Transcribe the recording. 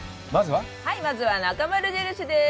はい、まずは、「なかまる印」です。